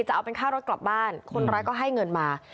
จะเอาเป็นค่ารถกลับบ้านคนร้ายก็ให้เงินมา